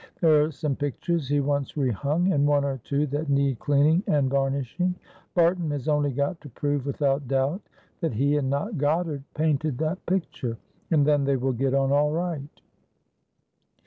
There are some pictures he wants rehung, and one or two that need cleaning and varnishing. Barton has only got to prove without doubt that he and not Goddard painted that picture, and then they will get on all right.